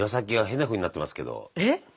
えっ？